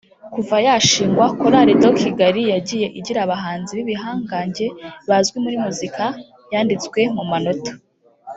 Kuva yashingwa Chorale de Kigali yagiye igira abahanzi b’ibihangange bazwi muri muzika yanditswe mu manota